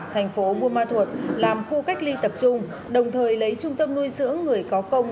thành phố buôn ma thuột làm khu cách ly tập trung đồng thời lấy trung tâm nuôi dưỡng người có công